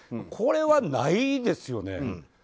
これはないですよね。